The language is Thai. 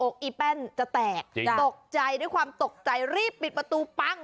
อีแป้นจะแตกยังไงตกใจด้วยความตกใจรีบปิดประตูปั้ง